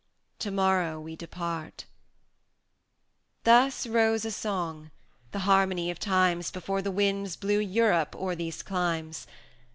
to morrow we depart! IV. Thus rose a song the harmony of times Before the winds blew Europe o'er these climes.